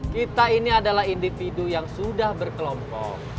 kita ini adalah individu yang sudah berkelompok